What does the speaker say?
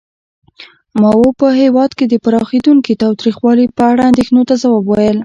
ماوو په هېواد کې د پراخېدونکي تاوتریخوالي په اړه اندېښنو ته ځواب وویل.